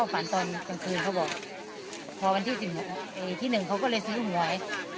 พอวันที่หนึ่งเขาก็เลยซื้อหวย